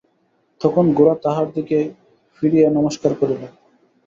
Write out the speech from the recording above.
তখন গোরা তাঁহার দিকে ফিরিয়া নমস্কার করিল।